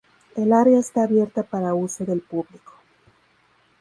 El área está abierta para uso del público.